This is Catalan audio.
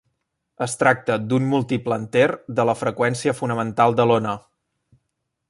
Es tracta d'un múltiple enter de la freqüència fonamental de l'ona.